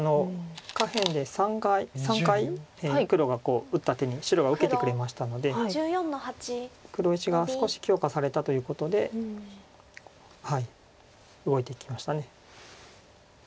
下辺で３回黒が打った手に白が受けてくれましたので黒石が少し強化されたということで動いていきました。